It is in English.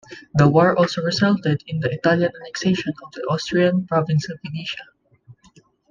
The war also resulted in the Italian annexation of the Austrian province of Venetia.